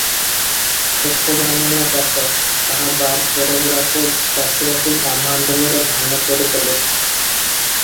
ଏକ ବ୍ରାହ୍ମଣିଆ ଚାଷ, ତାହା ବାଦ୍ ଚୋରଗୁଡ଼ାକ ବାଛି ବାଛି ବ୍ରାହ୍ମଣ ଜମିର ଧାନ ଚୋରି କଲେ ।